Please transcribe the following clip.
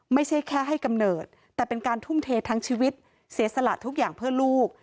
ไม่ใช่แค่ให้กำเนิดแต่เป็นการทุ่มเททั้งชีวิตเสียสละทุกอย่างเพื่อลูก